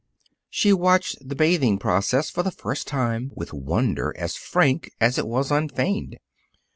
She watched the bathing process for the first time with wonder as frank as it was unfeigned.